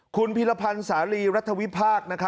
คุณภิรพลสารีรัฐวิพาค